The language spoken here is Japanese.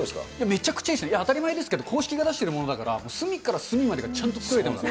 めちゃくちゃいいですね、当たり前ですけど、公式が出してるものだから、隅から隅までがちゃんと作れてます。